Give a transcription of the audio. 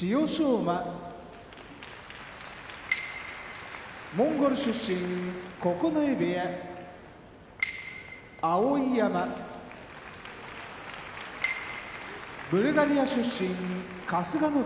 馬モンゴル出身九重部屋碧山ブルガリア出身春日野部屋